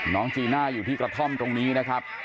จีน่าอยู่ที่กระท่อมตรงนี้นะครับ